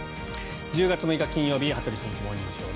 １０月６日、金曜日「羽鳥慎一モーニングショー」。